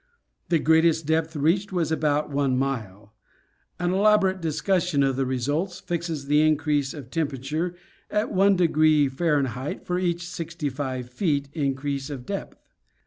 The greatest depth reached was about one mile. An elaborate discussion of the results fixes the increase of temperature at 1° F. for each 65 ft. increase of depth.